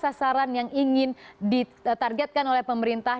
sasaran yang ingin ditargetkan oleh pemerintah